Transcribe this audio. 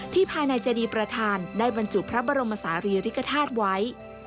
ภายในเจดีประธานได้บรรจุพระบรมศาลีริกฐาตุไว้